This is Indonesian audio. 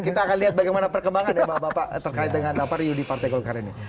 kita akan lihat bagaimana perkembangan ya bapak bapak terkait dengan yudi partai golkar ini